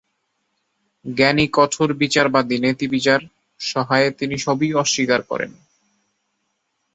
জ্ঞানী কঠোর বিচারবাদী, নেতিবিচার-সহায়ে তিনি সবই অস্বীকার করেন।